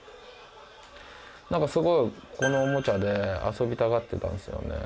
何かすごいこのおもちゃで遊びたがってたんですよね。